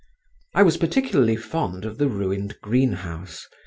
I was particularly fond of the ruined greenhouse.